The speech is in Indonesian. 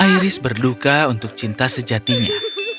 iris berduka untuk cinta sejatinya